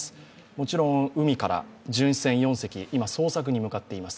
もちろん海から巡視船４隻、今、捜索に向かっています。